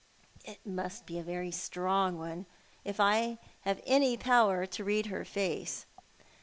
It must be a very strong one — if I have any power to read her face.